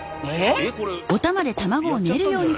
えっ？